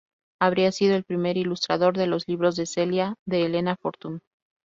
Habría sido el primer ilustrador de los libros de "Celia" de Elena Fortún.